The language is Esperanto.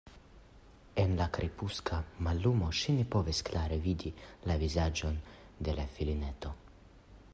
En la krepuska mallumo ŝi ne povis klare vidi la vizaĝon de la filineto.